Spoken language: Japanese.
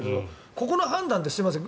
ここの判断って、すみません